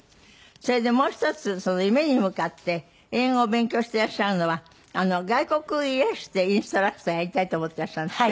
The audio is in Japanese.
それでもう一つ夢に向かって英語を勉強してらっしゃるのは外国へいらしてインストラクターやりたいと思ってらっしゃるんですって？